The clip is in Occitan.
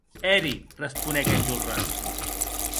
Eri, responec Enjolras.